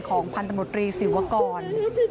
ปี๖๕วันเช่นเดียวกัน